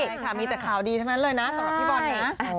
ใช่ค่ะมีแต่ข่าวดีทั้งนั้นเลยนะสำหรับพี่บอลนะ